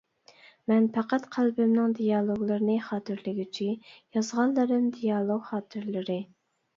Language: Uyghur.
مەن پەقەت قەلبىمنىڭ دىيالوگلىرىنى خاتىرىلىگۈچى، يازغانلىرىم دىيالوگ خاتىرىلىرى.